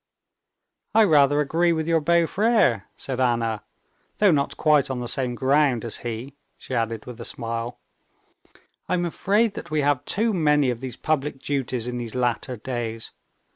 "I rather agree with your beau frère," said Anna, "though not quite on the same ground as he," she added with a smile. "I'm afraid that we have too many of these public duties in these latter days.